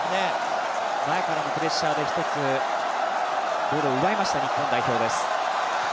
前からのプレッシャーで一つボールを奪いました日本代表です。